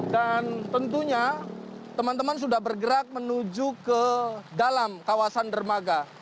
dan tentunya teman teman sudah bergerak menuju ke dalam kawasan dermaga